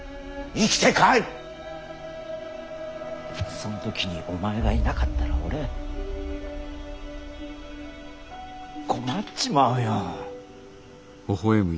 そん時にお前がいなかったら俺困っちまうよ。